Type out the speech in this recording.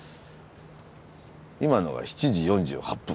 今のが７時４８分。